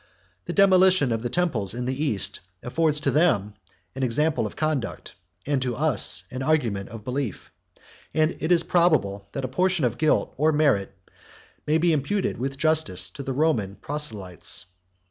The demolition of the temples in the East 25 affords to them an example of conduct, and to us an argument of belief; and it is probable that a portion of guilt or merit may be imputed with justice to the Roman proselytes.